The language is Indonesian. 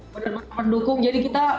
bener bener mendukung jadi kita